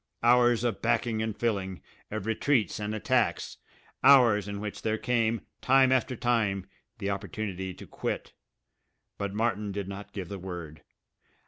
Hours of backing and filling, of retreats and attacks, hours in which there came, time after time, the opportunity to quit. But Martin did not give the word.